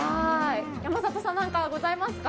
山里さん何かありますか。